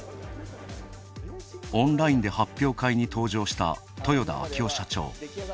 オンラインで発表会に登場した豊田章男社長。